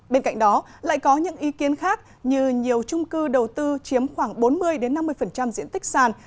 bên cạnh đó lại có những ý kiến khác như nhiều trung cư đầu tư chiếm khoảng bốn mươi năm mươi diện tích sàn